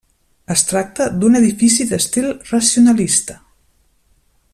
Es tracta d'un edifici d'estil racionalista.